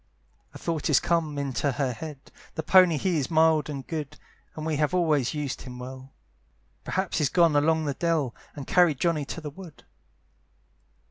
A thought is come into her head; "The pony he is mild and good, "And we have always used him well; "Perhaps he's gone along the dell, "And carried Johnny to the wood."